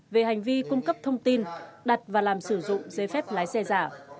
về hành vi cung cấp thông tin đặt và làm sử dụng giấy phép lái xe giả